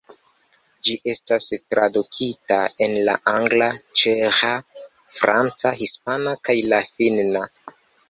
Ĝi estas tradukita en la angla, ĉeĥa, franca, hispana, kaj la finna.